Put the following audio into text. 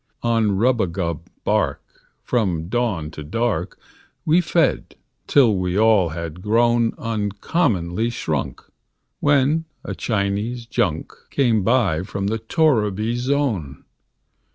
On rubagub bark, from dawn to dark, We fed, till we all had grown Uncommonly shrunk, when a Chinese junk Came by from the torriby zone.